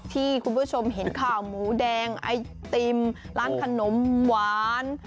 ที่คุณผู้ชมเห็นข่าวหมูแดงไอติมร้านขนมหวาน